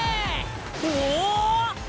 おお！